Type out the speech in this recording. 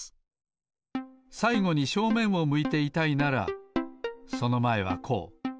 さいごに正面を向いていたいならそのまえはこう。